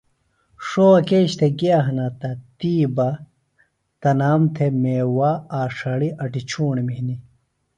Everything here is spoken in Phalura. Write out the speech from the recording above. ݜوہ کیچیۡ گِیہ ہِنہ تہ تی بہ تنام تھے میوہ، آڇھڑیۡ اٹی ڇھوݨم ہِنیۡ